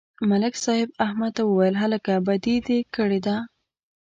ملک صاحب احمد ته وویل: هلکه، بدي دې کړې ده.